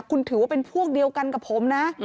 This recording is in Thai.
คุณถือว่าเป็นพวกเดียวกันกับผมนะ